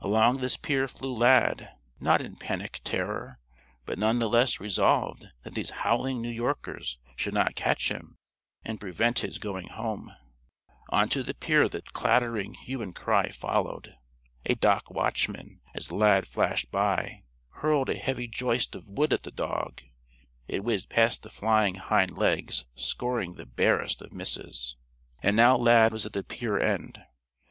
Along this pier flew Lad, not in panic terror, but none the less resolved that these howling New Yorkers should not catch him and prevent his going home. Onto the pier the clattering hue and cry followed. A dock watchman, as Lad flashed by, hurled a heavy joist of wood at the dog. It whizzed past the flying hind legs, scoring the barest of misses. And now Lad was at the pier end.